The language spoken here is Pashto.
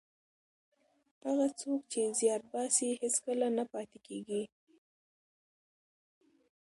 هغه څوک چې زیار باسي هېڅکله نه پاتې کېږي.